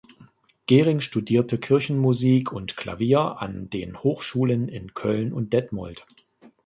Gehring studierte Kirchenmusik und Klavier an den Hochschulen in Köln und Detmold.